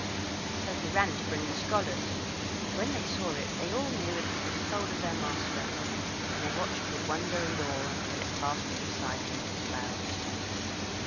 So he ran to bring the scholars; and when they saw it, they all knew it was the soul of their master; and they watched with wonder and awe until it passed from sight into the clouds.